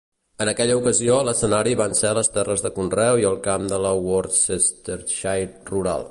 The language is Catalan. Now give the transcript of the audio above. En aquella ocasió l'escenari van ser les terres de conreu i el camp de la Worcestershire rural.